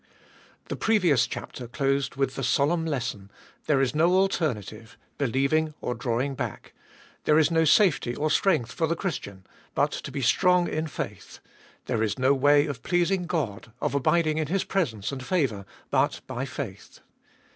THE previous chapter closed with the solemn lesson : There is no alternative, believing or drawing back ; there is no safety or strength for the Christian, but to be strong in faith ; there is no way of pleasing God, of abiding in His presence and favour, but by faith.